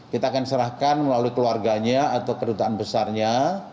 kita akan serahkan melalui keluarganya atau kedutaan besarnya